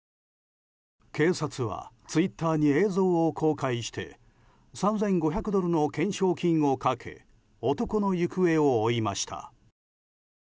警察はツイッターに映像を公開して３５００ドルの懸賞金をかけ男の行方を追いました。